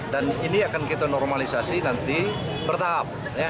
dan ini akan kita normalisasi nanti bertahap